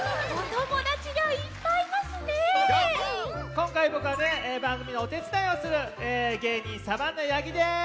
こんかいぼくはばんぐみのおてつだいをするげいにんサバンナ八木です！